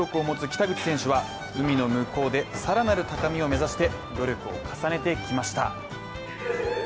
北口選手は海の向こうでさらなる高みを目指して努力を重ねてきました